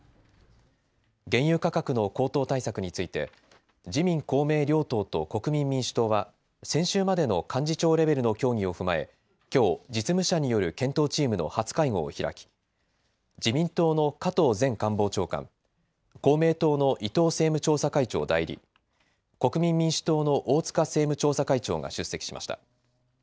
原油価格の高騰対策について、自民、公明両党と国民民主党は、先週までの幹事長レベルの協議を踏まえ、きょう、実務者による検討チームの初会合を開き、自民党の加藤前官房長官、公明党の伊藤政務調査会長代理、国民民主党の大塚政務調査会長が出席しました。